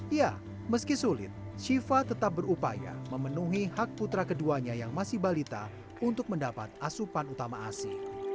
ya meski sulit syifa tetap berupaya memenuhi hak putra keduanya yang masih balita untuk mendapat asupan utama asi